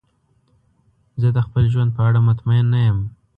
زه د خپل ژوند په اړه مطمئن نه یم.